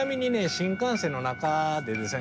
新幹線の中でですね